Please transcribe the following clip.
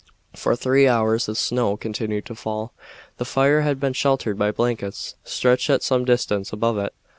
For three hours the snow continued to fall. The fire had been sheltered by blankets stretched at some distance above it.